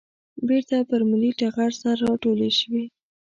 بېرته پر ملي ټغر سره راټولې شوې.